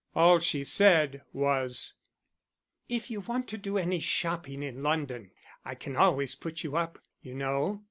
All she said was "If you want to do any shopping in London, I can always put you up, you know.